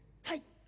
はい！